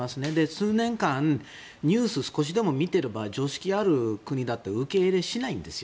数年間、ニュースを少しでも見ていれば常識がある国だったら受け入れをしないんです。